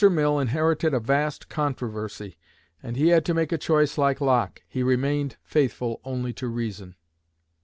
Mill inherited a vast controversy, and he had to make a choice like Locke, he remained faithful only to reason.